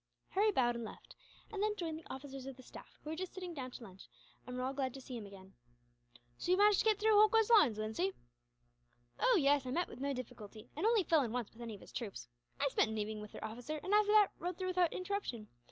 Harry bowed and left; and then joined the officers of the staff, who were just sitting down to lunch, and were all glad to see him again. "So you managed to get through Holkar's lines, Lindsay?" "Oh, yes! I met with no difficulty, and only fell in once with any of his troops. I spent an evening with their officer, and after that rode through without interruption.